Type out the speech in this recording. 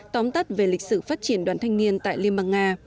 tóm tắt về lịch sử phát triển đoàn thanh niên tại liên bang nga